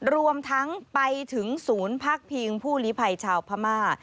รวมทั้งไปถึงศูนย์พักพิงผู้หลีภัยชาวพม่า